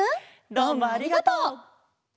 どうもありがとう！